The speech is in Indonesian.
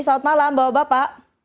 selamat malam bapak bapak